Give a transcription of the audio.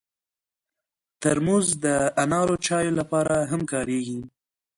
ترموز د انارو چایو لپاره هم کارېږي.